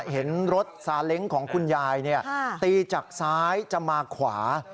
เห็นรถซาเล้งของคุณยายตีจากซ้ายจะมาขวา